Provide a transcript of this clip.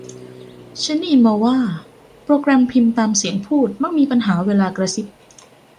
ฉันได้ยินมาว่าโปรแกรมพิมพ์ตามเสียงพูดมักมีปัญหาเวลากระซิบ